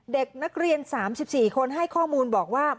เด็กนักเรียน๓๔คนให้ข้อมูลบอกว่า